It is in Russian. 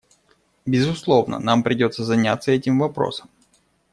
Безусловно, нам придется заняться этим вопросом.